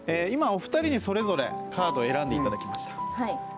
今、お二人にそれぞれカードを選んでいただきました。